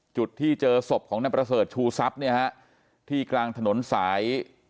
จุดที่เจอสบของน้ายประเศรษฐ์ชูซับไม่หาที่กลางถนนสาย